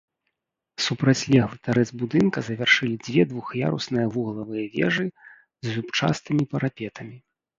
Супрацьлеглы тарэц будынка завяршылі дзве двух'ярусныя вуглавыя вежы з зубчастымі парапетамі.